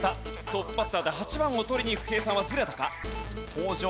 トップバッターで８番を取りにいく計算はずれたか？